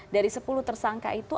dari sepuluh tersangka itu